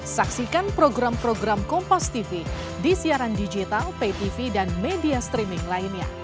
saksikan program program kompastv di siaran digital paytv dan media streaming lainnya